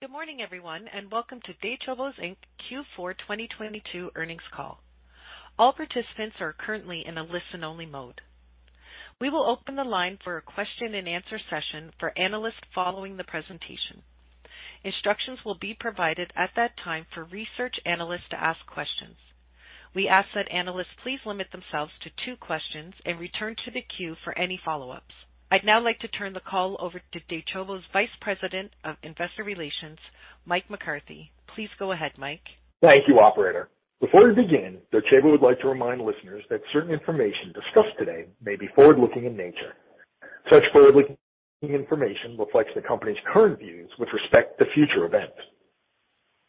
Good morning, everyone, welcome to Docebo Inc. Q4 2022 Earnings Call. All participants are currently in a listen-only mode. We will open the line for a question-and-answer session for analysts following the presentation. Instructions will be provided at that time for research analysts to ask questions. We ask that analysts please limit themselves to two questions and return to the queue for any follow-ups. I'd now like to turn the call over to Docebo's Vice President of Investor Relations, Mike McCarthy. Please go ahead, Mike. Thank you, operator. Before we begin, Docebo would like to remind listeners that certain information discussed today may be forward-looking in nature. Such forward-looking information reflects the company's current views with respect to future events.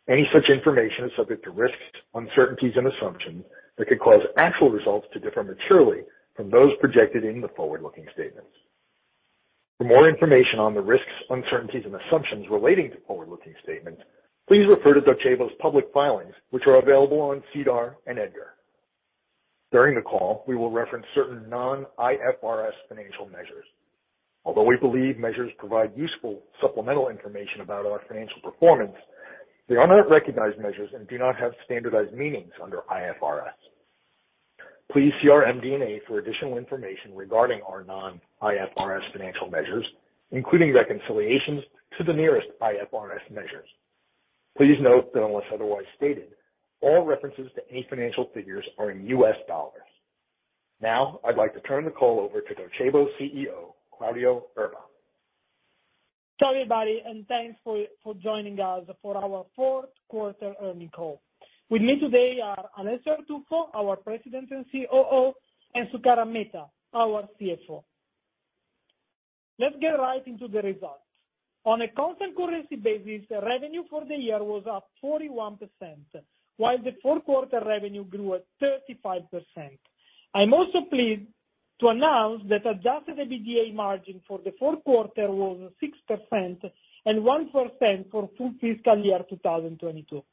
Any such information is subject to risks, uncertainties, and assumptions that could cause actual results to differ materially from those projected in the forward-looking statements. For more information on the risks, uncertainties, and assumptions relating to forward-looking statements, please refer to Docebo's public filings, which are available on SEDAR and EDGAR. During the call, we will reference certain non-IFRS financial measures. Although we believe measures provide useful supplemental information about our financial performance, they are not recognized measures and do not have standardized meanings under IFRS. Please see our MD&A for additional information regarding our non-IFRS financial measures, including reconciliations to the nearest IFRS measures. Please note that unless otherwise stated, all references to any financial figures are in US dollars. Now, I'd like to turn the call over to Docebo CEO, Claudio Erba. Ciao, everybody. Thanks for joining us for our fourth quarter earning call. With me today are Alessio Artuffo, our President and COO, and Sukaran Mehta, our CFO. Let's get right into the results. On a constant currency basis, revenue for the year was up 41%, while the fourth quarter revenue grew at 35%. I'm also pleased to announce that adjusted EBITDA margin for the fourth quarter was 6% and 1% for full fiscal year 2022.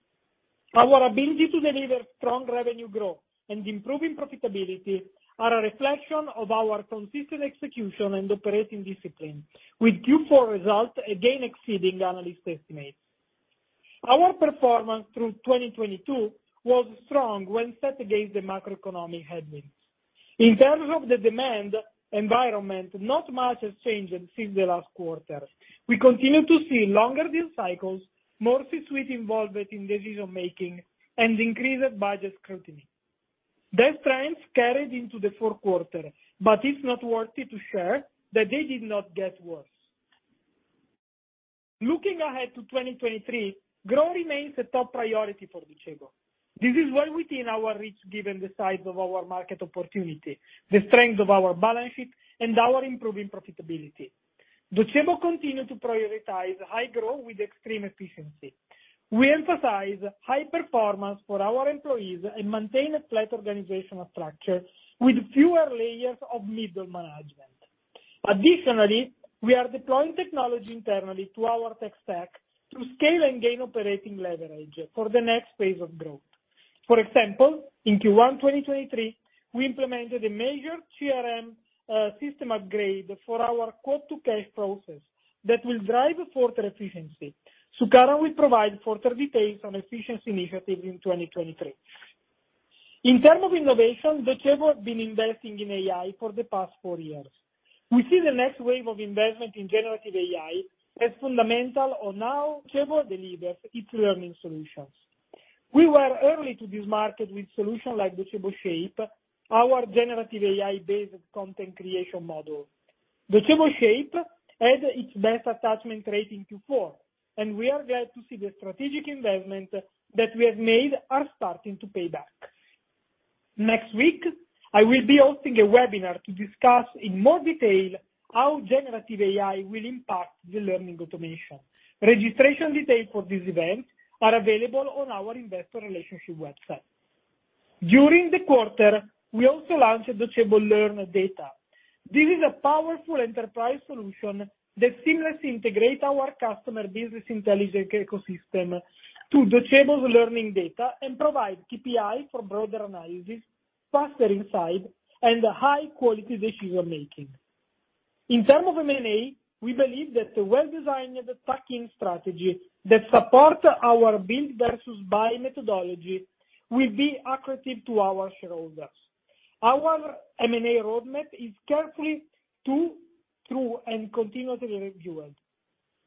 Our ability to deliver strong revenue growth and improving profitability are a reflection of our consistent execution and operating discipline, with Q4 results again exceeding analyst estimates. Our performance through 2022 was strong when set against the macroeconomic headwinds. In terms of the demand environment, not much has changed since the last quarter. We continue to see longer deal cycles, more C-suite involvement in decision-making, and increased budget scrutiny. Those trends carried into the fourth quarter, it's noteworthy to share that they did not get worse. Looking ahead to 2023, growth remains a top priority for Docebo. This is well within our reach given the size of our market opportunity, the strength of our balance sheet, and our improving profitability. Docebo continue to prioritize high growth with extreme efficiency. We emphasize high performance for our employees and maintain a flat organizational structure with fewer layers of middle management. Additionally, we are deploying technology internally to our tech stack to scale and gain operating leverage for the next phase of growth. For example, in Q1, 2023, we implemented a major CRM system upgrade for our quote-to-cash process that will drive further efficiency. Sukaran will provide further details on efficiency initiatives in 2023. In terms of innovation, Docebo has been investing in AI for the past four years. We see the next wave of investment in generative AI as fundamental on how Docebo delivers its learning solutions. We were early to this market with solutions like Docebo Shape, our generative AI-based content creation model. Docebo Shape had its best attachment rating to four, and we are glad to see the strategic investments that we have made are starting to pay back. Next week, I will be hosting a webinar to discuss in more detail how generative AI will impact the learning automation. Registration details for this event are available on our Investor Relations website. During the quarter, we also launched Docebo Learn Data. This is a powerful enterprise solution that seamlessly integrates our customer business intelligence ecosystem to Docebo's learning data and provides KPI for broader analysis, faster insights, and high-quality decision-making. In terms of M&A, we believe that a well-designed tuck-in strategy that supports our build versus buy methodology will be accretive to our shareholders. Our M&A roadmap is carefully thought through and continuously reviewed.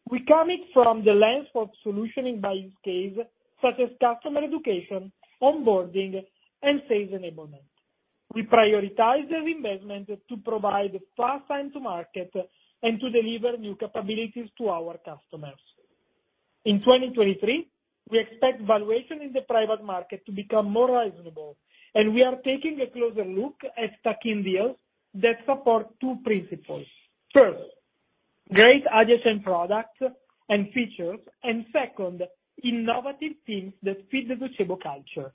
We come in from the lens of solutioning by use case such as customer education, onboarding, and sales enablement. We prioritize these investments to provide fast time to market and to deliver new capabilities to our customers. In 2023, we expect valuation in the private market to become more reasonable, we are taking a closer look at tuck-in deals that support two principles. First, great adjacent products and features, second, innovative teams that fit the Docebo culture.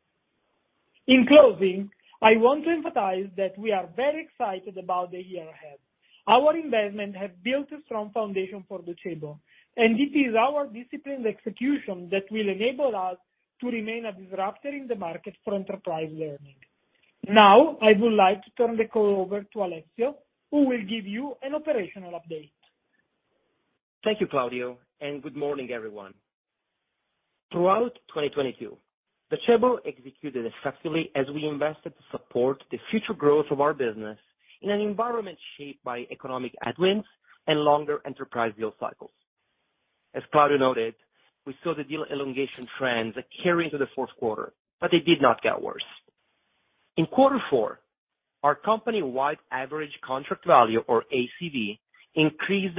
In closing, I want to emphasize that we are very excited about the year ahead. Our investment has built a strong foundation for Docebo, and it is our disciplined execution that will enable us to remain a disruptor in the market for enterprise learning. Now I would like to turn the call over to Alessio, who will give you an operational update. Thank you, Claudio. Good morning, everyone. Throughout 2022, Docebo executed effectively as we invested to support the future growth of our business in an environment shaped by economic headwinds and longer enterprise deal cycles. As Claudio noted, we saw the deal elongation trends carry into the fourth quarter, but they did not get worse. In Q4, our company-wide average contract value or ACV increased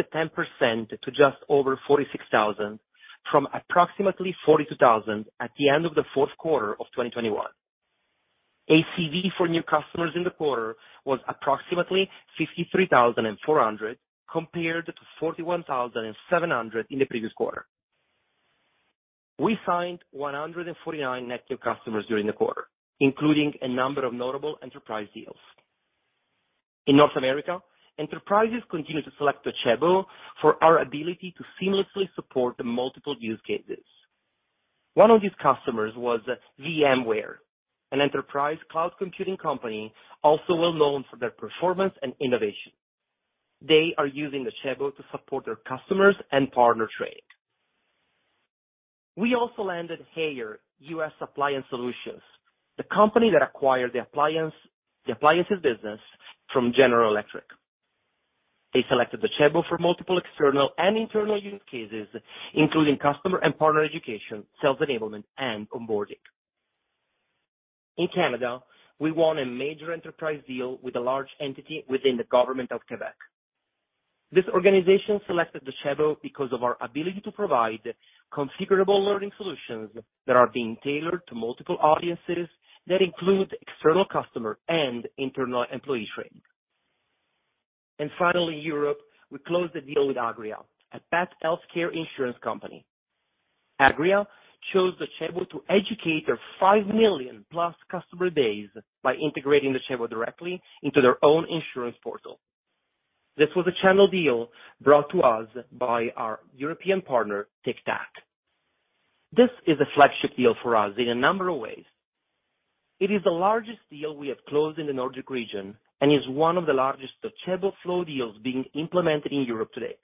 10% to just over $46,000 from approximately $42,000 at the end of the fourth quarter of 2021. ACV for new customers in the quarter was approximately $53,400 compared to $41,700 in the previous quarter. We signed 149 net new customers during the quarter, including a number of notable enterprise deals. In North America, enterprises continue to select Docebo for our ability to seamlessly support multiple use cases. One of these customers was VMware, an enterprise cloud computing company also well-known for their performance and innovation. They are using Docebo to support their customers and partner training. We also landed Haier US Appliance Solutions, the company that acquired the appliances business from General Electric. They selected Docebo for multiple external and internal use cases, including customer and partner education, sales enablement and onboarding. In Canada, we won a major enterprise deal with a large entity within the government of Quebec. This organization selected Docebo because of our ability to provide configurable learning solutions that are being tailored to multiple audiences that include external customer and internal employee training. Finally, Europe, we closed the deal with Agria, a pet healthcare insurance company. Agria chose Docebo to educate their 5 million plus customer base by integrating Docebo directly into their own insurance portal. This was a channel deal brought to us by our European partner, TicTac. This is a flagship deal for us in a number of ways. It is the largest deal we have closed in the Nordic region and is one of the largest Docebo Flow deals being implemented in Europe today.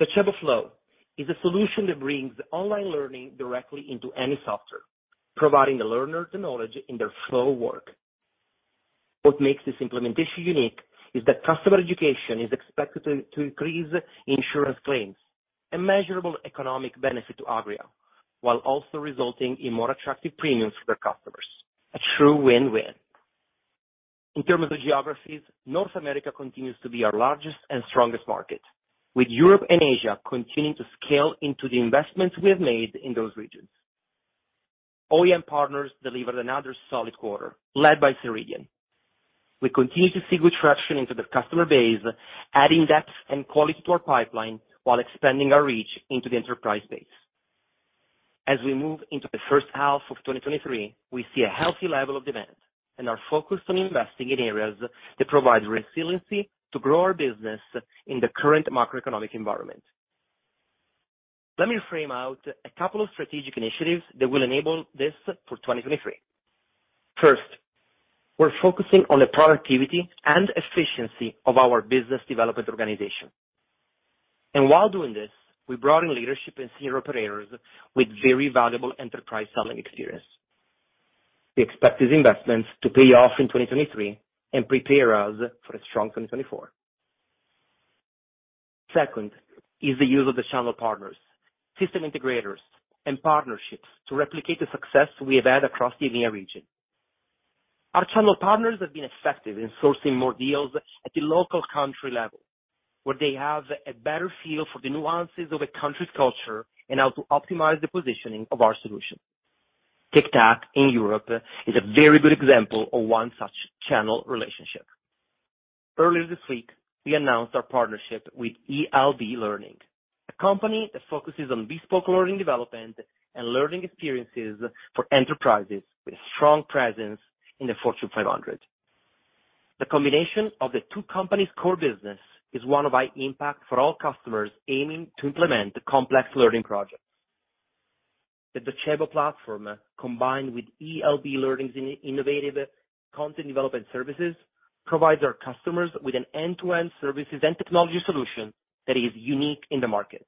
Docebo Flow is a solution that brings online learning directly into any software, providing the learner the knowledge in their flow work. What makes this implementation unique is that customer education is expected to increase insurance claims, a measurable economic benefit to Agria, while also resulting in more attractive premiums for their customers. A true win-win. In terms of geographies, North America continues to be our largest and strongest market, with Europe and Asia continuing to scale into the investments we have made in those regions. OEM partners delivered another solid quarter, led by Ceridian. We continue to see good traction into the customer base, adding depth and quality to our pipeline while expanding our reach into the enterprise space. As we move into the first half of 2023, we see a healthy level of demand and are focused on investing in areas that provide resiliency to grow our business in the current macroeconomic environment. Let me frame out a couple of strategic initiatives that will enable this for 2023. First, we're focusing on the productivity and efficiency of our business development organization. While doing this, we brought in leadership and senior operators with very valuable enterprise selling experience. We expect these investments to pay off in 2023 and prepare us for a strong 2024. Second is the use of the channel partners, system integrators and partnerships to replicate the success we have had across the EMEA region. Our channel partners have been effective in sourcing more deals at the local country level, where they have a better feel for the nuances of a country's culture and how to optimize the positioning of our solution. TicTac in Europe is a very good example of one such channel relationship. Earlier this week, we announced our partnership with ELB Learning, a company that focuses on bespoke learning development and learning experiences for enterprises with a strong presence in the Fortune 500. The combination of the two companies' core business is one of high impact for all customers aiming to implement complex learning projects. The Docebo platform, combined with ELB Learning's innovative content development services, provides our customers with an end-to-end services and technology solution that is unique in the market.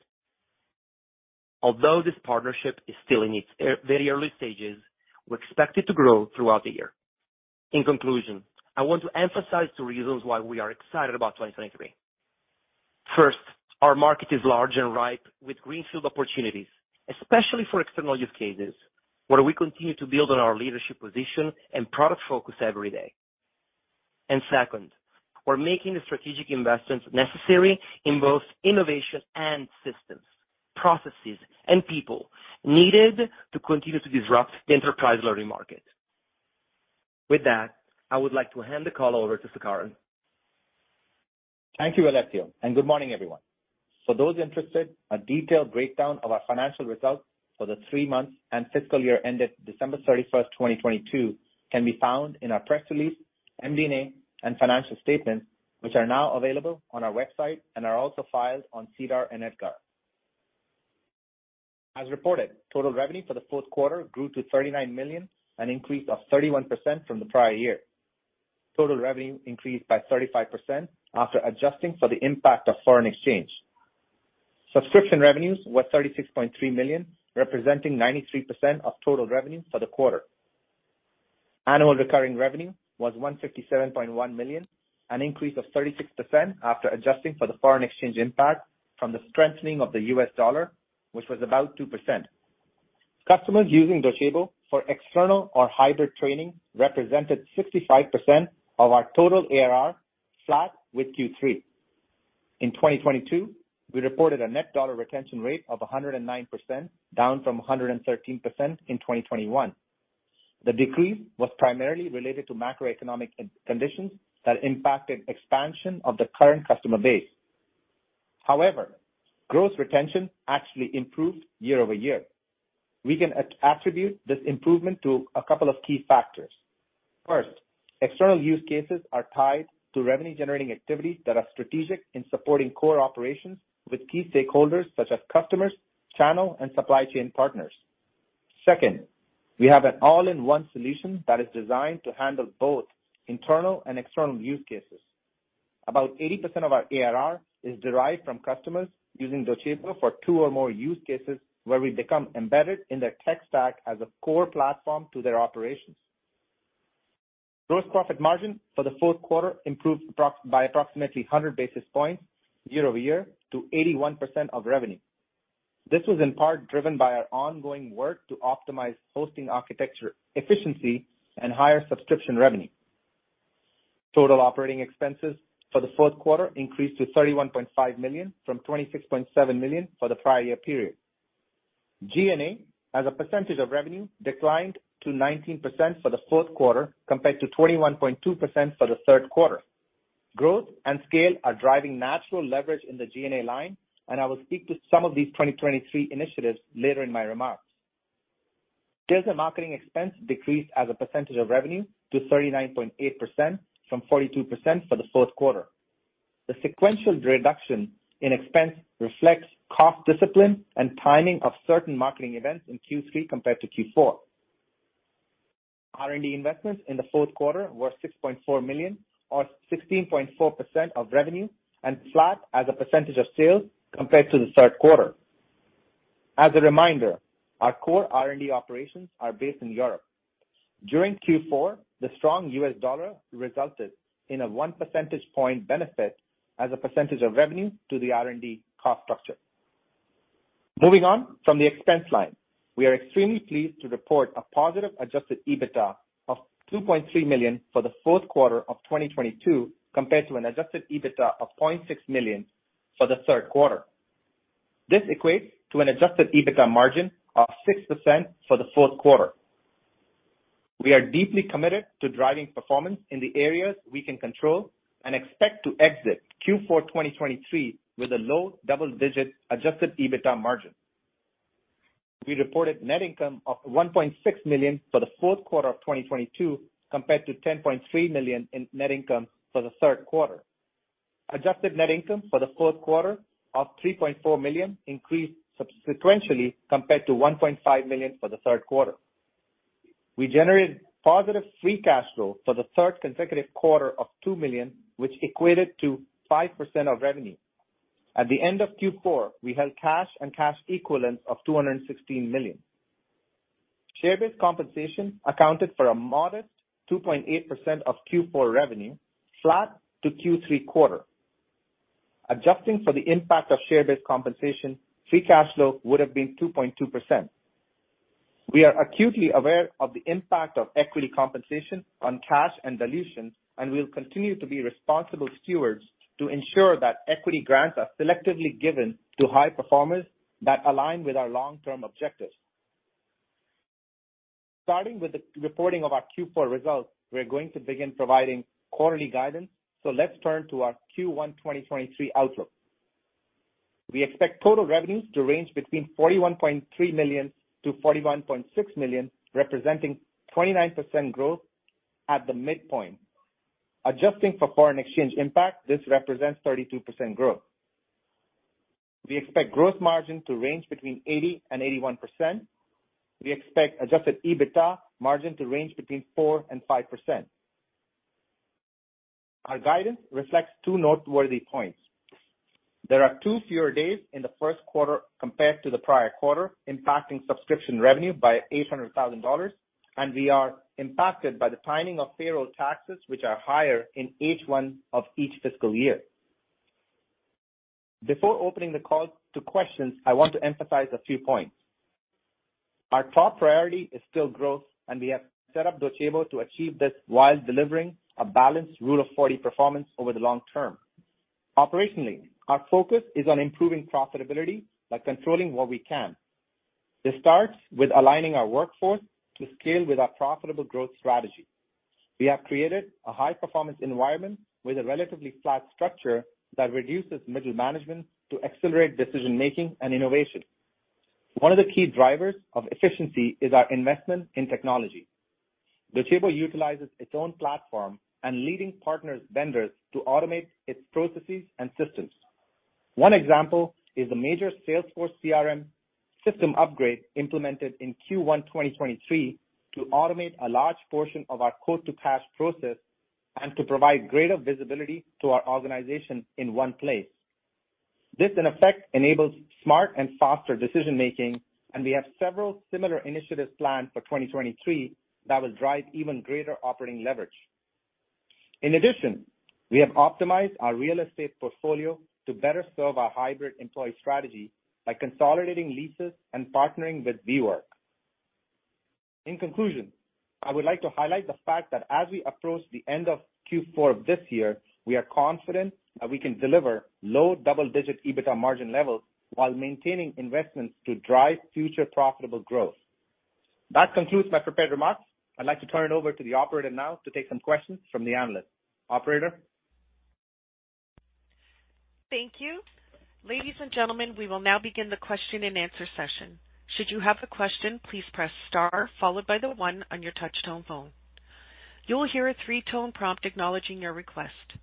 Although this partnership is still in its ear, very early stages, we expect it to grow throughout the year. In conclusion, I want to emphasize two reasons why we are excited about 2023. First, our market is large and ripe with greenfield opportunities, especially for external use cases, where we continue to build on our leadership position and product focus every day. Second, we're making the strategic investments necessary in both innovation and systems, processes, and people needed to continue to disrupt the enterprise learning market. With that, I would like to hand the call over to Sukaran. Thank you, Alessio, and good morning, everyone. For those interested, a detailed breakdown of our financial results for the three months and fiscal year ended December 31, 2022, can be found in our press release, MD&A, and financial statements, which are now available on our website and are also filed on SEDAR and EDGAR. As reported, total revenue for the fourth quarter grew to $39 million, an increase of 31% from the prior year. Total revenue increased by 35% after adjusting for the impact of foreign exchange. Subscription revenues were $36.3 million, representing 93% of total revenue for the quarter. Annual recurring revenue was $157.1 million, an increase of 36% after adjusting for the foreign exchange impact from the strengthening of the U.S. dollar, which was about 2%. Customers using Docebo for external or hybrid training represented 65% of our total ARR, flat with Q3. In 2022, we reported a net dollar retention rate of 109%, down from 113% in 2021. The decrease was primarily related to macroeconomic conditions that impacted expansion of the current customer base. Gross retention actually improved year-over-year. We can attribute this improvement to a couple of key factors. First, external use cases are tied to revenue-generating activities that are strategic in supporting core operations with key stakeholders such as customers, channel, and supply chain partners. Second, we have an all-in-one solution that is designed to handle both internal and external use cases. About 80% of our ARR is derived from customers using Docebo for two or more use cases where we become embedded in their tech stack as a core platform to their operations. Gross profit margin for the fourth quarter improved by approximately 100 basis points year-over-year to 81% of revenue. This was in part driven by our ongoing work to optimize hosting architecture efficiency and higher subscription revenue. Total operating expenses for the fourth quarter increased to $31.5 million from $26.7 million for the prior year period. G&A, as a percentage of revenue, declined to 19% for the fourth quarter compared to 21.2% for the third quarter. Growth and scale are driving natural leverage in the G&A line. I will speak to some of these 2023 initiatives later in my remarks. Sales and marketing expense decreased as a percentage of revenue to 39.8% from 42% for the fourth quarter. The sequential reduction in expense reflects cost discipline and timing of certain marketing events in Q3 compared to Q4. R&D investments in the fourth quarter were $6.4 million or 16.4% of revenue and flat as a percentage of sales compared to the third quarter. As a reminder, our core R&D operations are based in Europe. During Q4, the strong U.S. dollar resulted in a one percentage point benefit as a percentage of revenue to the R&D cost structure. Moving on from the expense line, we are extremely pleased to report a positive adjusted EBITDA of $2.3 million for the fourth quarter of 2022 compared to an adjusted EBITDA of $0.6 million for the third quarter. This equates to an adjusted EBITDA margin of 6% for the fourth quarter. We are deeply committed to driving performance in the areas we can control and expect to exit Q4 2023 with a low double-digit adjusted EBITDA margin. We reported net income of $1.6 million for the fourth quarter of 2022 compared to $10.3 million in net income for the third quarter. Adjusted net income for the fourth quarter of $3.4 million increased sequentially compared to $1.5 million for the third quarter. We generated positive free cash flow for the third consecutive quarter of $2 million, which equated to 5% of revenue. At the end of Q4, we held cash and cash equivalents of $216 million. Share-based compensation accounted for a modest 2.8% of Q4 revenue, flat to Q3 quarter. Adjusting for the impact of share-based compensation, free cash flow would have been 2.2%. We'll continue to be responsible stewards to ensure that equity grants are selectively given to high performers that align with our long-term objectives. Starting with the reporting of our Q4 results, we are going to begin providing quarterly guidance, so let's turn to our Q1 2023 outlook. We expect total revenues to range between $41.3 million-$41.6 million, representing 29% growth at the midpoint. Adjusting for foreign exchange impact, this represents 32% growth. We expect growth margin to range between 80%-81%. We expect adjusted EBITDA margin to range between 4%-5%. Our guidance reflects two noteworthy points. There are two fewer days in the first quarter compared to the prior quarter, impacting subscription revenue by $800,000, and we are impacted by the timing of payroll taxes, which are higher in H1 of each fiscal year. Before opening the call to questions, I want to emphasize a few points. Our top priority is still growth, and we have set up Docebo to achieve this while delivering a balanced Rule of 40 performance over the long-term. Operationally, our focus is on improving profitability by controlling what we can. This starts with aligning our workforce to scale with our profitable growth strategy. We have created a high-performance environment with a relatively flat structure that reduces middle management to accelerate decision-making and innovation. One of the key drivers of efficiency is our investment in technology. Docebo utilizes its own platform and leading partners vendors to automate its processes and systems. One example is the major Salesforce CRM system upgrade implemented in Q1 2023 to automate a large portion of our quote-to-cash process and to provide greater visibility to our organization in one place. This in effect enables smart and faster decision making, and we have several similar initiatives planned for 2023 that will drive even greater operating leverage. In addition, we have optimized our real estate portfolio to better serve our hybrid employee strategy by consolidating leases and partnering with WeWork. In conclusion, I would like to highlight the fact that as we approach the end of Q4 of this year, we are confident that we can deliver low double-digit EBITDA margin levels while maintaining investments to drive future profitable growth. That concludes my prepared remarks. I'd like to turn it over to the operator now to take some questions from the analyst. Operator? Thank you. Ladies and gentlemen, we will now begin the question-and-answer session. Should you have a question, please press star followed by the one on your touchtone phone. You will hear a three-tone prompt acknowledging your request.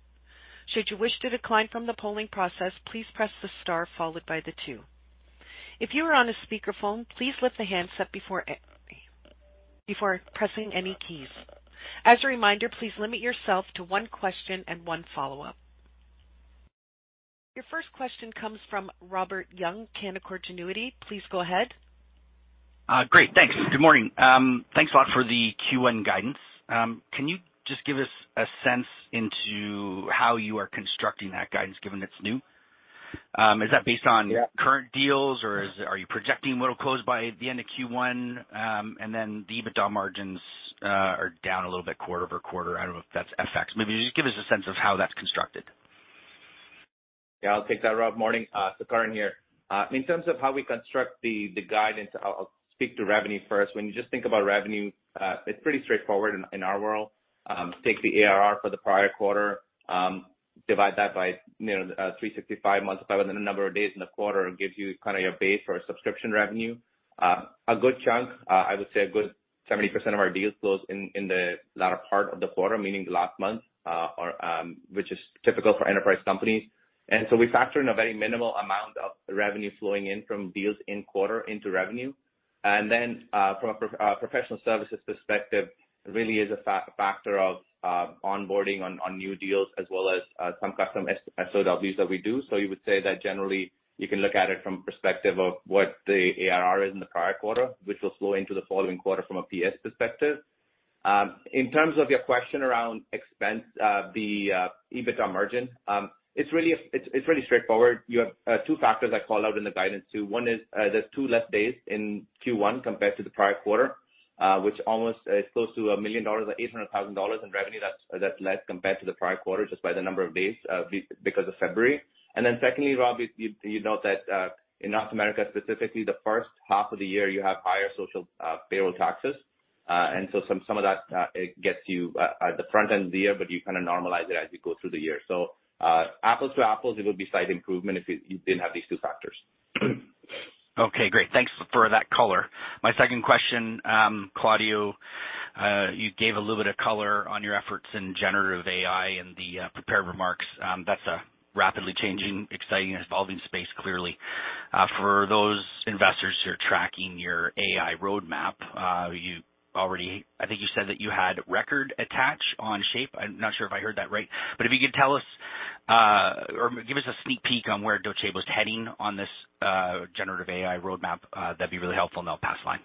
Should you wish to decline from the polling process, please press the star followed by the two. If you are on a speakerphone, please lift the handset before pressing any keys. As a reminder, please limit yourself to one question and one follow-up. Your first question comes from Robert Young, Canaccord Genuity. Please go ahead. Great, thanks. Good morning. Thanks a lot for the Q1 guidance. Can you just give us a sense into how you are constructing that guidance, given it's new? Is that based on current deals, or are you projecting what will close by the end of Q1? The EBITDA margins are down a little bit quarter-over-quarter. I don't know if that's FX. Maybe just give us a sense of how that's constructed. Yeah, I'll take that, Rob. Morning. Sukaran here. In terms of how we construct the guidance, I'll speak to revenue first. When you just think about revenue, it's pretty straightforward in our world. Take the ARR for the prior quarter, divide that by, you know, 365 multiplied within the number of days in the quarter. It gives you kinda your base for a subscription revenue. A good chunk, I would say a good 70% of our deals close in the latter part of the quarter, meaning the last month, or which is typical for enterprise companies. We factor in a very minimal amount of revenue flowing in from deals in quarter into revenue. From a professional services perspective, it really is a factor of onboarding on new deals as well as some custom SOWs that we do. You would say that generally, you can look at it from perspective of what the ARR is in the prior quarter, which will flow into the following quarter from a PS perspective. In terms of your question around expense, the EBITDA margin, it's really straightforward. You have two factors I called out in the guidance too. One is, there's two less days in Q1 compared to the prior quarter, which almost is close to $1 million or $800,000 in revenue that's less compared to the prior quarter just by the number of days because of February. Secondly, Rob, you know that in North America specifically, the first half of the year you have higher social payroll taxes. Some of that gets you at the front end of the year, but you kinda normalize it as you go through the year. Apples to apples, it would be slight improvement if you didn't have these two factors. Okay, great. Thanks for that color. My second question, Claudio, you gave a little bit of color on your efforts in generative AI in the prepared remarks. That's a rapidly changing, exciting and evolving space clearly. For those investors who are tracking your AI roadmap, I think you said that you had record attach on Shape. I'm not sure if I heard that right. If you could tell us, or give us a sneak peek on where Docebo's heading on this generative AI roadmap, that'd be really helpful. I'll pass the line.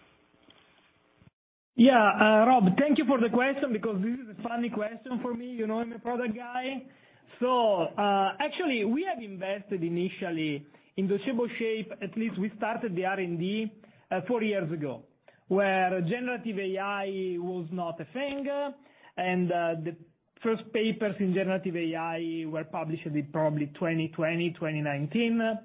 Rob, thank you for the question because this is a funny question for me. You know I'm a product guy. Actually, we have invested initially in Docebo Shape. At least we started the R&D four years ago, where generative AI was not a thing, and the first papers in generative AI were published in probably 2020, 2019.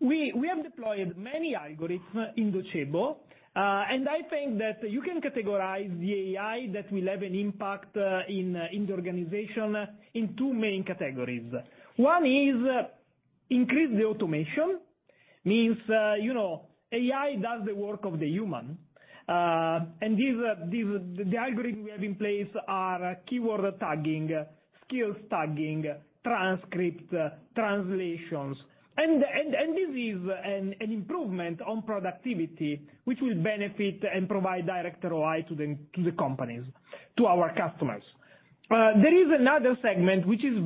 We have deployed many algorithms in Docebo, and I think that you can categorize the AI that will have an impact in the organization in two main categories. One is increase the automation. Means, you know, AI does the work of the human. And the algorithm we have in place are keyword tagging, skills tagging, transcript, translations. This is an improvement on productivity, which will benefit and provide direct ROI to the companies, to our customers. There is another segment which is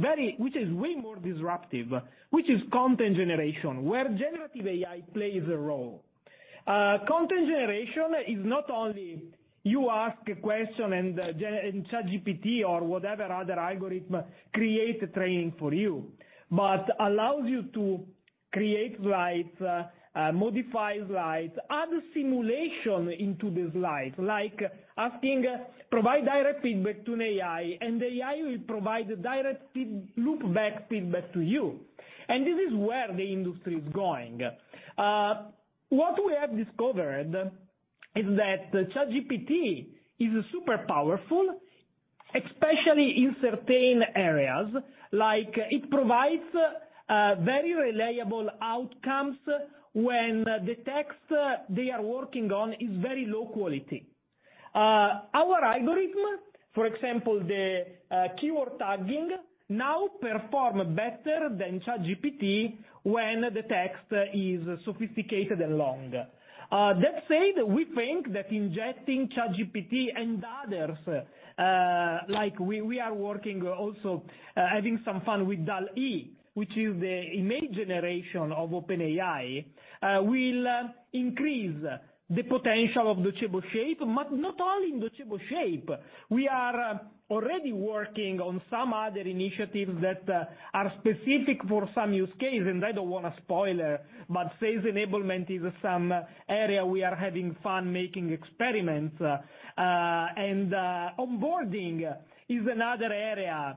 way more disruptive, which is content generation, where generative AI plays a role. Content generation is not only you ask a question and ChatGPT or whatever other algorithm create a training for you, but allows you to create slides, modify slides, add simulation into the slides, like asking, provide direct feedback to an AI, and the AI will provide the direct loop back feedback to you. This is where the industry is going. What we have discovered is that ChatGPT is super powerful. Especially in certain areas, like it provides very reliable outcomes when the text they are working on is very low quality. Our algorithm, for example, the keyword tagging now perform better than ChatGPT when the text is sophisticated and long. That said, we think that injecting ChatGPT and others, like we are working also having some fun with DALL-E, which is the image generation of OpenAI, will increase the potential of the Docebo Shape, but not only in the Docebo Shape. We are already working on some other initiatives that are specific for some use case, and I don't wanna spoiler, but sales enablement is some area we are having fun making experiments. Onboarding is another area.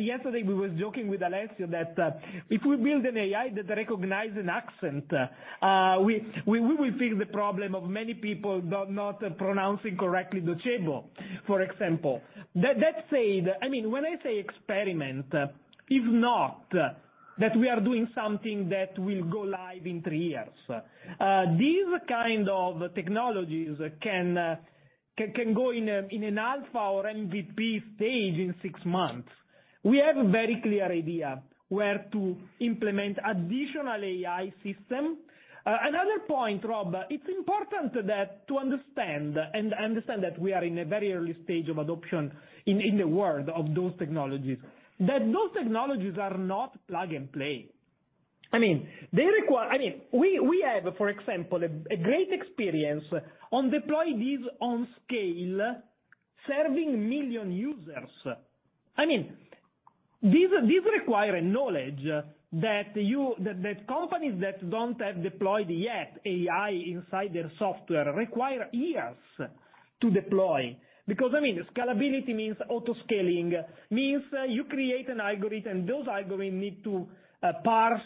Yesterday we was joking with Alessio that, if we build an AI that recognize an accent, we will fix the problem of many people not pronouncing correctly the Docebo, for example. That said, I mean, when I say experiment, is not that we are doing something that will go live in three years. These kind of technologies can go in a, in an alpha or MVP stage in six months. We have a very clear idea where to implement additional AI system. Another point, Rob, it's important that to understand that we are in a very early stage of adoption in the world of those technologies, that those technologies are not plug and play. I mean, they require... I mean, we have, for example, a great experience on deploy these on scale serving million users. I mean, these require a knowledge that companies that don't have deployed yet AI inside their software require years to deploy. I mean, scalability means auto-scaling, means you create an algorithm. Those algorithm need to parse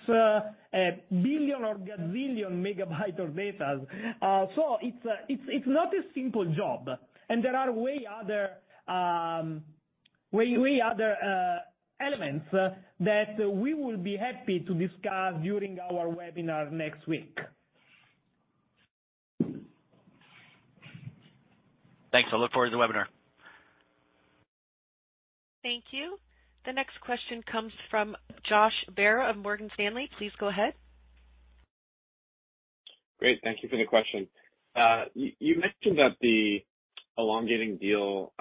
billion or gazillion megabyte of data. It's not a simple job, and there are way other elements that we will be happy to discuss during our webinar next week. Thanks. I'll look forward to the webinar. Thank you. The next question comes from Josh Baer of Morgan Stanley. Please go ahead. Great. Thank you for the question. You mentioned that the elongating deal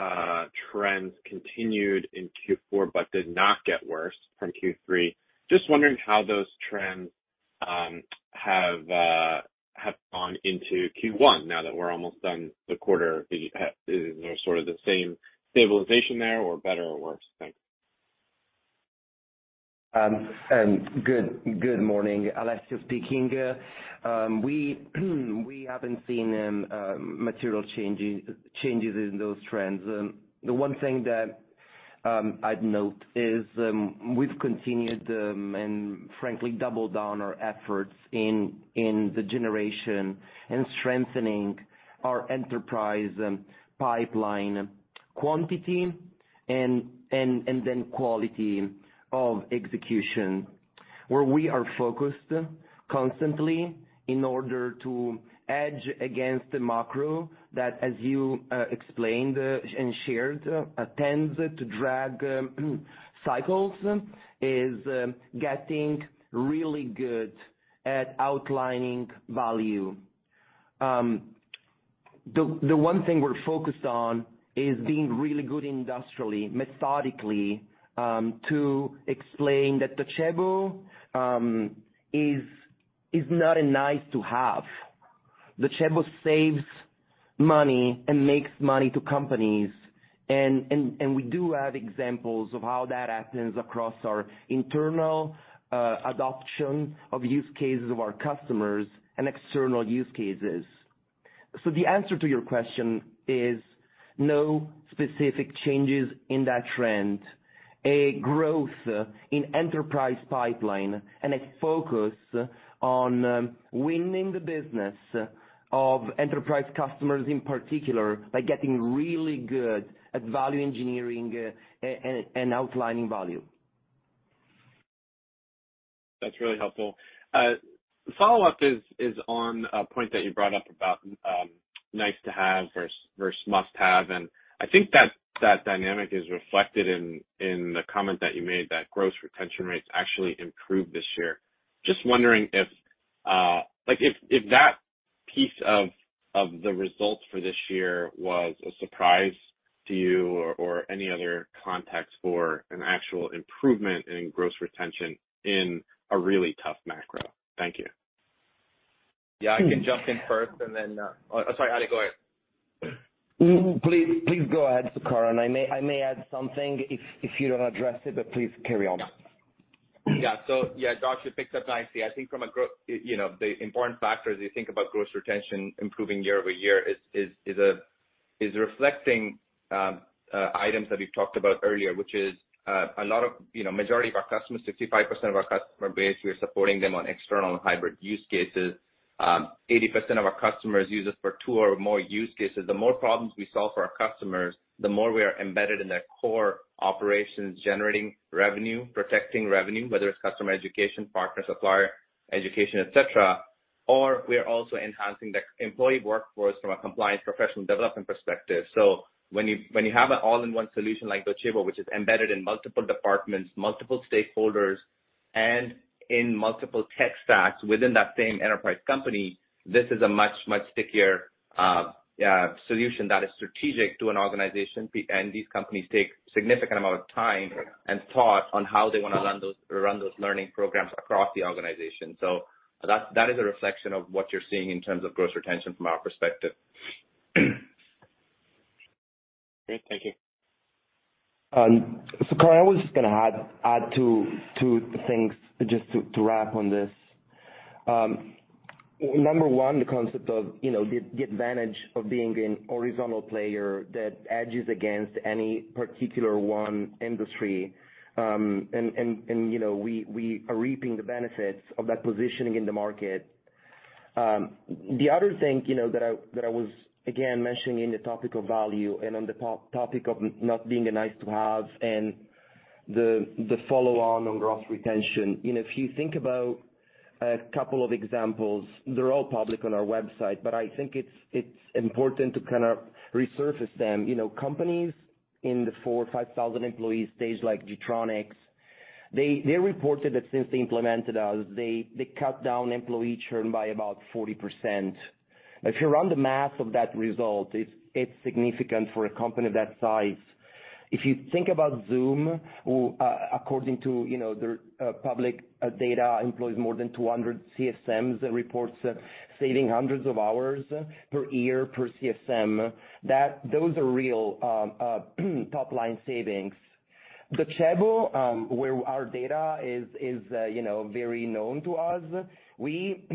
trends continued in Q4 but did not get worse from Q3. Just wondering how those trends have gone into Q1 now that we're almost done the quarter? Is there sort of the same stabilization there or better or worse? Thanks. Good morning. Alessio speaking. We haven't seen material changes in those trends. The one thing that I'd note is we've continued and frankly doubled down our efforts in the generation and strengthening our enterprise pipeline quantity and then quality of execution. Where we are focused constantly in order to edge against the macro that, as you explained and shared, tends to drag cycles, is getting really good at outlining value. The one thing we're focused on is being really good industrially, methodically, to explain that Docebo is not a nice-to-have. The Docebo saves money and makes money to companies, and we do have examples of how that happens across our internal adoption of use cases of our customers and external use cases. The answer to your question is no specific changes in that trend. A growth in enterprise pipeline and a focus on winning the business of enterprise customers, in particular, by getting really good at value engineering, and outlining value. That's really helpful. Follow-up is on a point that you brought up about nice to have versus must-have, and I think that dynamic is reflected in the comment that you made that gross retention rates actually improved this year. Just wondering if that piece of the results for this year was a surprise to you or any other context for an actual improvement in gross retention in a really tough macro. Thank you. Yeah, I can jump in first and then. Oh, sorry, Alessio, go ahead. Please go ahead, Sukaran, and I may add something if you don't address it, but please carry on. Yeah. Yeah, Josh, you picked up nicely. I think from you know, the important factor as you think about gross retention improving year-over-year is reflecting items that we've talked about earlier, which is a lot of, you know, majority of our customers, 65% of our customer base, we are supporting them on external and hybrid use cases. 80% of our customers use us for two or more use cases. The more problems we solve for our customers, the more we are embedded in their core operations, generating revenue, protecting revenue, whether it's customer education, partner, supplier education, et cetera, or we are also enhancing the employee workforce from a compliance professional development perspective. When you, when you have an all-in-one solution like Docebo, which is embedded in multiple departments, multiple stakeholders, and in multiple tech stacks within that same enterprise company, this is a much stickier solution that is strategic to an organization. These companies take significant amount of time and thought on how they wanna run those learning programs across the organization. That's, that is a reflection of what you're seeing in terms of gross retention from our perspective. Great. Thank you. Sukaran, I was just gonna add two things just to wrap on this. Number one, the concept of, you know, the advantage of being an horizontal player that edges against any particular one industry. And, you know, we are reaping the benefits of that positioning in the market. The other thing, you know, that I was again mentioning in the topic of value and on the topic of not being a nice-to-have and the follow on gross retention. You know, if you think about a couple of examples, they're all public on our website, but I think it's important to kind of resurface them. You know, companies in the 4,000 or 5,000 employees stage like Getronics, they reported that since they implemented us, they cut down employee churn by about 40%. If you run the math of that result, it's significant for a company that size. If you think about Zoom, who, according to, you know, their public data employs more than 200 CSMs, reports saving hundreds of hours per year per CSM, those are real top line savings. Docebo, where our data is, you know, very known to us. We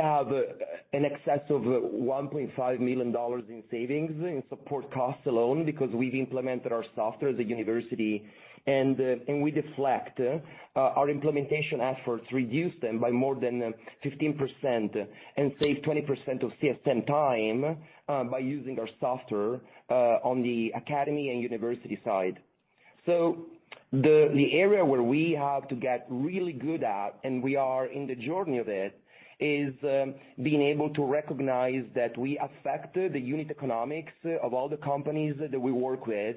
have in excess of $1.5 million in savings in support costs alone because we've implemented our software as a university, and we deflect our implementation efforts, reduce them by more than 15% and save 20% of CSM time by using our software on the academy and university side. The area where we have to get really good at, and we are in the journey of it, is being able to recognize that we affect the unit economics of all the companies that we work with,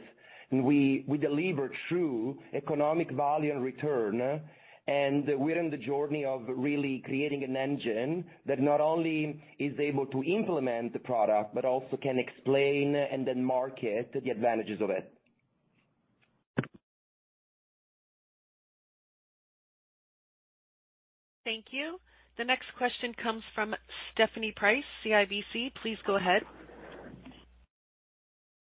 and we deliver true economic value and return. We're in the journey of really creating an engine that not only is able to implement the product, but also can explain and then market the advantages of it. Thank you. The next question comes from Stephanie Price, CIBC. Please go ahead.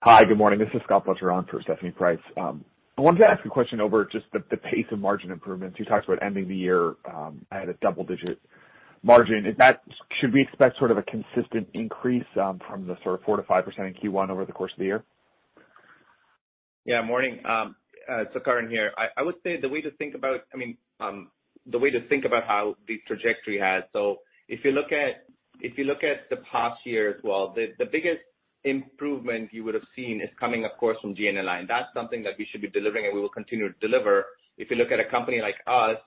Hi. Good morning. This is Scott Fletcher on for Stephanie Price. I wanted to ask a question over just the pace of margin improvements. You talked about ending the year at a double-digit margin. Should we expect sort of a consistent increase from the sort of 4%-5% in Q1 over the course of the year? Yeah, morning. Sukaran here. I would say the way to think about, I mean, the way to think about how the trajectory has. If you look at the past year as well, the biggest improvement you would have seen is coming, of course, from G&A line. That's something that we should be delivering and we will continue to deliver. If you look at a company like us,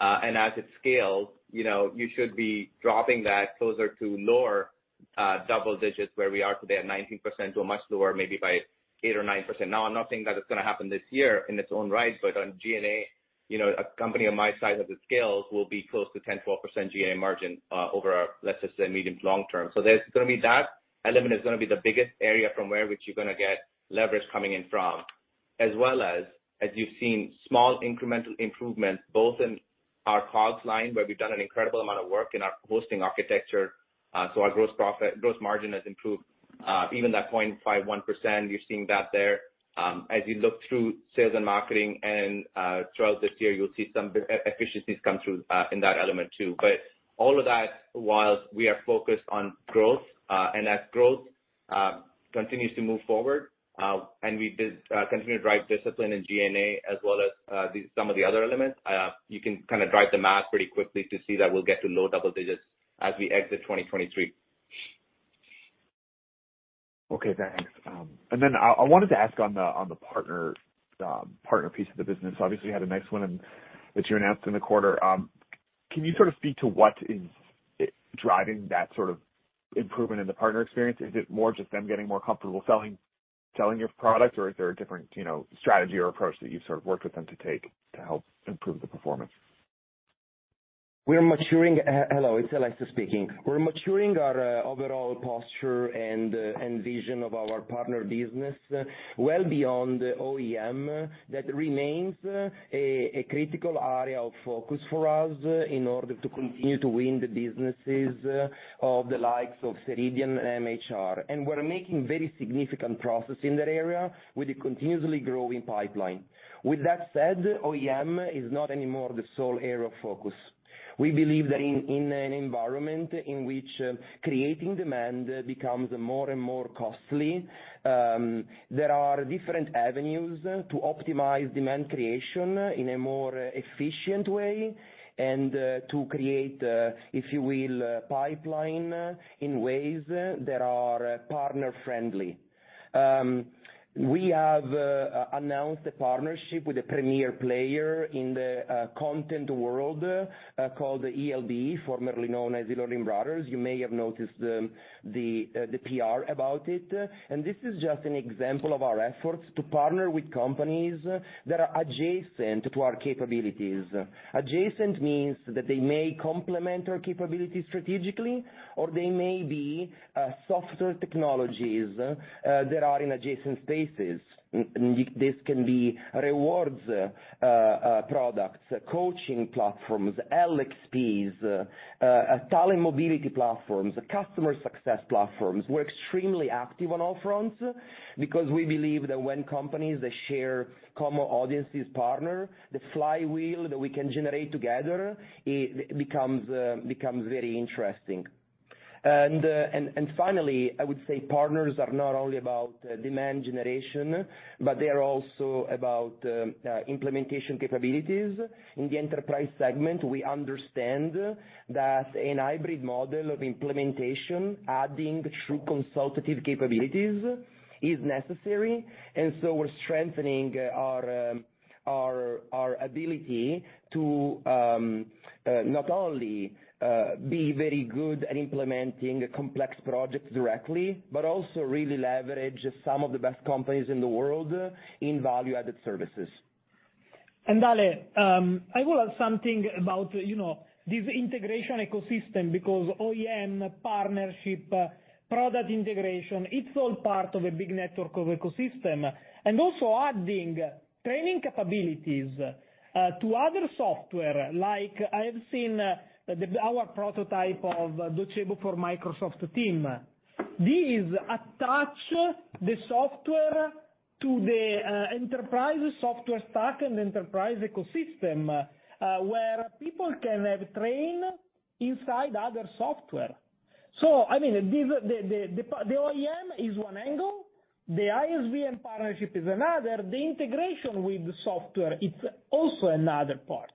and as it scales, you know, you should be dropping that closer to lower, double-digits where we are today at 19% to a much lower, maybe by 8% or 9%. Now, I'm not saying that it's gonna happen this year in its own right, but on G&A, you know, a company of my size of the scales will be close to 10%-12% G&A margin, over our, let's just say, medium to long-term. there's gonna be that element is gonna be the biggest area from where which you're gonna get leverage coming in from. As well as you've seen small incremental improvements both in our costs line, where we've done an incredible amount of work in our hosting architecture, so our gross profit, gross margin has improved. Even that 0.51%, you're seeing that there. As you look through sales and marketing and, throughout this year, you'll see some efficiencies come through, in that element too. All of that while we are focused on growth, and as growth continues to move forward, and we did continue to drive discipline in G&A as well as the, some of the other elements, you can kind of drive the math pretty quickly to see that we'll get to low double-digits as we exit 2023. Okay, thanks. I wanted to ask on the partner piece of the business. Obviously, you had a nice one and that you announced in the quarter. Can you sort of speak to what is driving that sort of improvement in the partner experience? Is it more just them getting more comfortable selling your product, or is there a different, you know, strategy or approach that you've sort of worked with them to take to help improve the performance? We are maturing. Hello, it's Alessio speaking. We're maturing our overall posture and vision of our partner business well beyond OEM. That remains a critical area of focus for us in order to continue to win the businesses of the likes of Ceridian and MHR. We're making very significant progress in that area with a continuously growing pipeline. With that said, OEM is not anymore the sole area of focus. We believe that in an environment in which creating demand becomes more and more costly, there are different avenues to optimize demand creation in a more efficient way and to create, if you will, a pipeline in ways that are partner friendly. We have announced a partnership with a premier player in the content world, called the ELB, formerly known as eLearning Brothers. You may have noticed the PR about it. This is just an example of our efforts to partner with companies that are adjacent to our capabilities. Adjacent means that they may complement our capabilities strategically, or they may be softer technologies that are in adjacent spaces. This can be rewards products, coaching platforms, LXPs, talent mobility platforms, customer success platforms. We're extremely active on all fronts because we believe that when companies that share common audiences partner, the flywheel that we can generate together, it becomes very interesting. Finally, I would say partners are not only about demand generation, but they are also about implementation capabilities. In the enterprise segment, we understand that a hybrid model of implementation, adding true consultative capabilities is necessary. We're strengthening our ability to not only be very good at implementing complex projects directly, but also really leverage some of the best companies in the world in value-added services. Alessio, I will add something about, you know, this integration ecosystem because OEM partnership, product integration, it's all part of a big network of ecosystem. Also adding training capabilities to other software, like I have seen our prototype of Docebo for Microsoft Teams. These attach the software to the enterprise software stack and enterprise ecosystem where people can have trained inside other software. I mean, these are the OEM is one angle, the ISV and partnership is another, the integration with the software, it's also another part.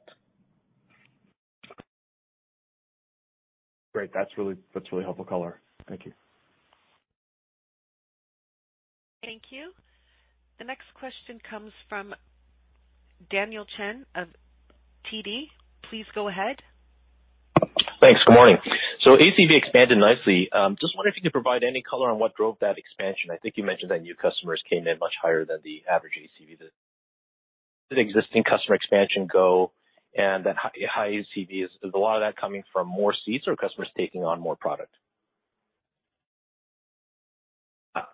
Great. That's really helpful color. Thank you. Thank you. The next question comes from Daniel Chan of TD. Please go ahead. Thanks. Good morning. ACV expanded nicely. Just wondering if you could provide any color on what drove that expansion. I think you mentioned that new customers came in much higher than the average ACV. Did existing customer expansion go and then high ACV, is a lot of that coming from more seats or customers taking on more product?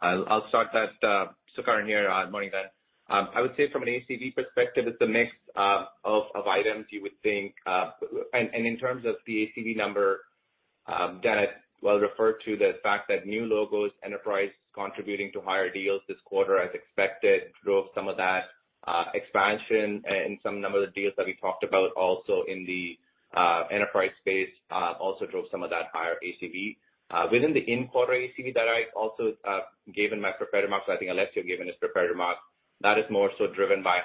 I'll start that. Sukaran here. Morning, Dan. I would say from an ACV perspective, it's a mix of items you would think. In terms of the ACV number, Dan, well referred to the fact that new logos enterprise contributing to higher deals this quarter, as expected, drove some of that expansion and some number of deals that we talked about also in the enterprise space, also drove some of that higher ACV. Within the in-quarter ACV that I also gave in my prepared remarks, I think Alessio gave in his prepared remarks, that is more so driven by,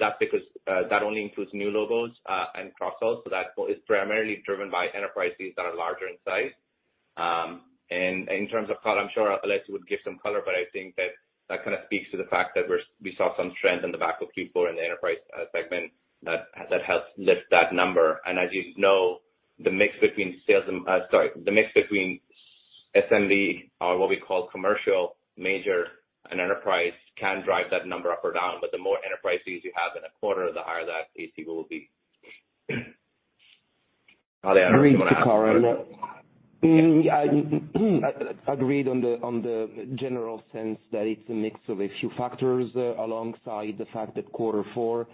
that's because that only includes new logos and cross-sells. That is primarily driven by enterprises that are larger in size. In terms of color, I'm sure Alessio would give some color, but I think that that kind of speaks to the fact that we saw some strength in the back of Q4 in the enterprise segment that helps lift that number. As you know, the mix between SMB or what we call commercial, major, and enterprise can drive that number up or down, but the more enterprises you have in a quarter, the higher that ACV will be. Alessio, I don't know if you wanna add. Agreed, Sukaran. Yeah, agreed on the, on the general sense that it's a mix of a few factors alongside the fact that quarter four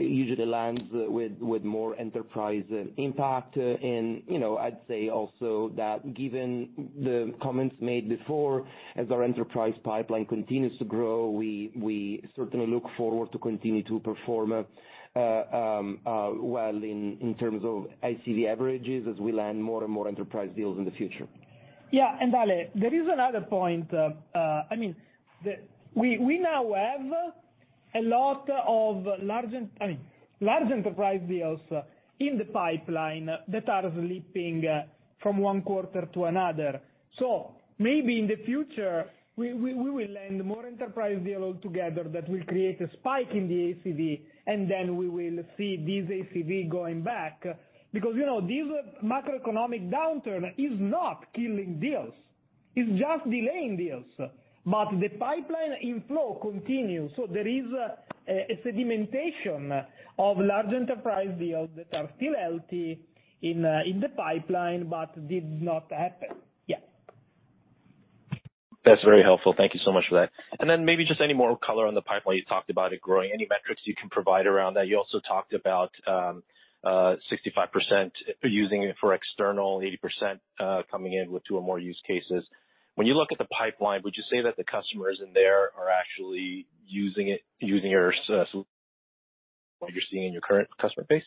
usually lands with more enterprise impact. You know, I'd say also that given the comments made before, as our enterprise pipeline continues to grow, we certainly look forward to continue to perform well in terms of ACV averages as we land more and more enterprise deals in the future. Alessio, there is another point. I mean, we now have a lot of large enterprise deals in the pipeline that are slipping from one quarter to another. Maybe in the future, we will land more enterprise deal all together that will create a spike in the ACV, and then we will see this ACV going back. You know, this macroeconomic downturn is not killing deals, it's just delaying deals. The pipeline inflow continues, so there is a sedimentation of large enterprise deals that are still healthy in the pipeline but did not happen. That's very helpful. Thank you so much for that. Then maybe just any more color on the pipeline. You talked about it growing. Any metrics you can provide around that? You also talked about, 65% using it for external, 80% coming in with two or more use cases. When you look at the pipeline, would you say that the customers in there are actually using it, using your solutions what you're seeing in your current customer base?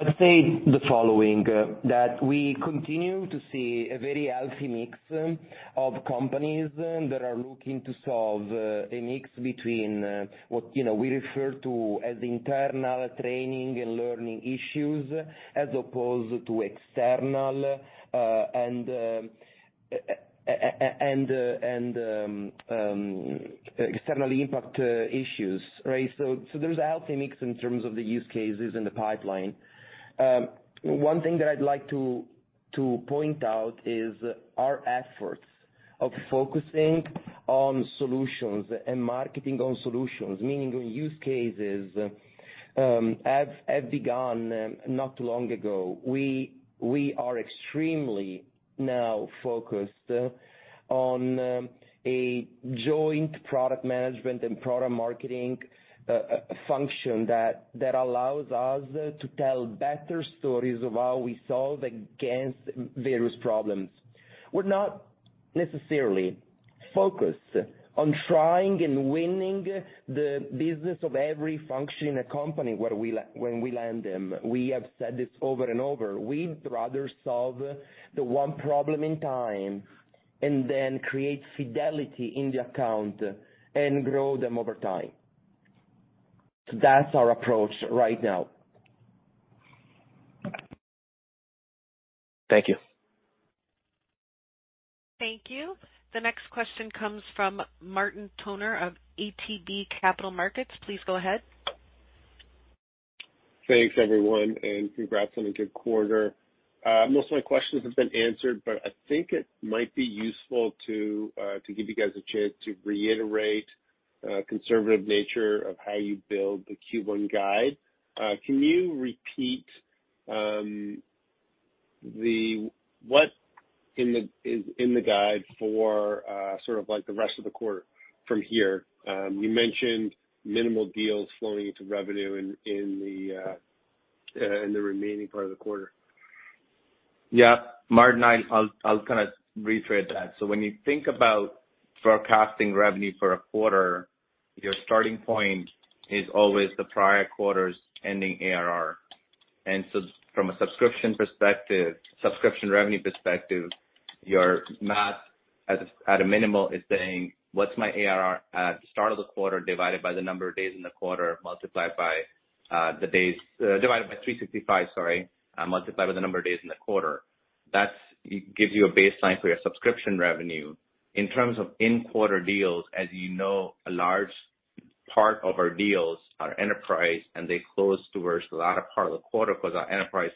I'd say the following, that we continue to see a very healthy mix of companies that are looking to solve a mix between what, you know, we refer to as internal training and learning issues as opposed to external, and external impact issues. There's a healthy mix in terms of the use cases in the pipeline. One thing that I'd like to point out is our efforts of focusing on solutions and marketing on solutions, meaning use cases, have begun not long ago. We are extremely now focused on a joint product management and product marketing function that allows us to tell better stories of how we solve against various problems. We're not necessarily focused on trying and winning the business of every function in a company when we land them. We have said this over and over. We'd rather solve the one problem in time and then create fidelity in the account and grow them over time. That's our approach right now. Thank you. Thank you. The next question comes from Martin Toner of ATB Capital Markets. Please go ahead. Thanks everyone, and congrats on a good quarter. Most of my questions have been answered, but I think it might be useful to give you guys a chance to reiterate conservative nature of how you build the Q1 guide. Can you repeat what is in the guide for sort of like the rest of the quarter from here? You mentioned minimal deals flowing into revenue in the remaining part of the quarter. Martin, I'll kind of rephrase that. When you think about forecasting revenue for a quarter, your starting point is always the prior quarter's ending ARR. From a subscription perspective, subscription revenue perspective, your math at a minimal is saying, "What's my ARR at the start of the quarter, divided by the number of days in the quarter, multiplied by divided by 365, sorry, multiplied by the number of days in the quarter." That's, gives you a baseline for your subscription revenue. In terms of in-quarter deals, as you know, a large part of our deals are enterprise, they close towards the latter part of the quarter 'cause our enterprise